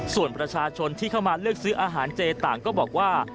ส่วนประชาชนที่เข้ามาเลือกซื้ออาหารเจต่างก็บอกว่า